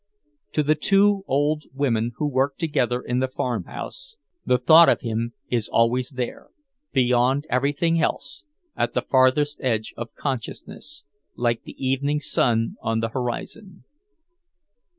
To the two old women who work together in the farmhouse, the thought of him is always there, beyond everything else, at the farthest edge of consciousness, like the evening sun on the horizon.